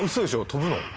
飛ぶの？